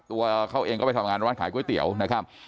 ตัวเขาเองก็ไปทำงานร้านขายก๋วยเตี๋ยวนะครับ